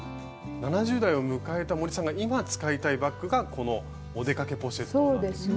７０代を迎えた森さんが今使いたいバッグがこの「お出かけポシェット」なんですね。